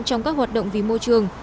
trong các hoạt động vì môi trường